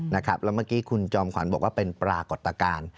แล้วเมื่อกี้คุณจอมขวัญบอกว่าเป็นปรากฏการณ์